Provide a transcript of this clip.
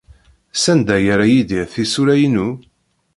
Sanda ay yerra Yidir tisura-inu?